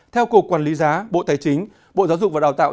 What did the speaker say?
theo cục quản lý giá bộ tài chính bộ giáo dục và đào tạo